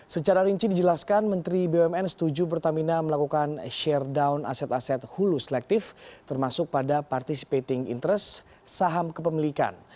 secara rinci dijelaskan menteri bumn setuju pertamina melakukan share down aset aset hulus selektif termasuk pada participating interest saham kepemilikan